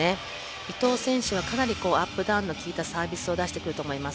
伊藤選手はアップダウンの利いたサービスを出してくると思います。